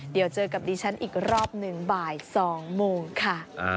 เดี๋ยวเจอกับดิฉันอีกรอบหนึ่งบ่าย๒โมงค่ะ